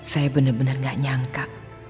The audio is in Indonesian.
saya benar benar gak nyangka